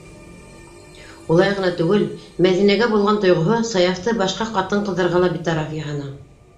Улай ғына түгел, Мәҙинәгә булған тойғоһо Саяфты башҡа ҡатын-ҡыҙҙарға ла битараф яһаны.